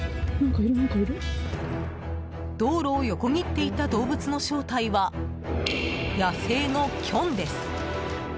道路を横切っていった動物の正体は、野生のキョンです。